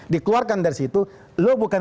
dikeluarkan dari situ lo bukan